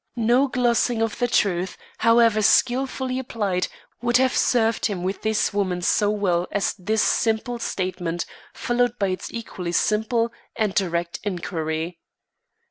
No glossing of the truth, however skillfully applied, would have served him with this woman so well as this simple statement, followed by its equally simple and direct inquiry.